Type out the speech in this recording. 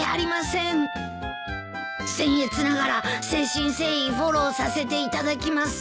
せんえつながら誠心誠意フォローさせていただきます。